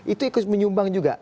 itu ikut menyumbang juga